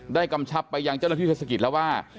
กำชับไปยังเจ้าหน้าที่เทศกิจแล้วว่า